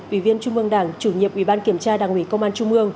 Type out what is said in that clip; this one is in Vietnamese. ủy viên trung mương đảng chủ nhiệm ủy ban kiểm tra đảng ủy công an trung mương